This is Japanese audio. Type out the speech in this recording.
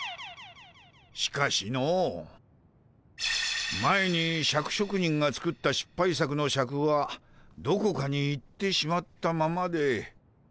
しかしの前にシャク職人が作ったしっぱい作のシャクはどこかに行ってしまったままで。